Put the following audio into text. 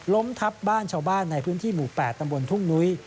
ล้มทับบ้านชาวบ้านในพื้นที่หมู่๘ตำบลทุ่งนุ้ย